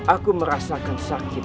aku merasakan sakit